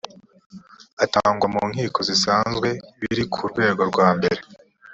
atangwa mu nkiko zisanzwe biri ku rwego rwambere